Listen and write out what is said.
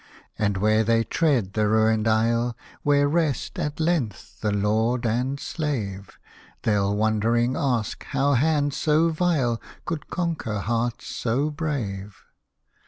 And when they tread the ruined Isle, Where rest, at length, the lord and slave, They'll wondering ask, how hands so vile Could conquer hearts so brave